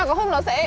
có không nó sẽ